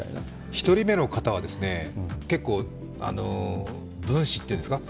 １人目の方は結構文士っていうんですか。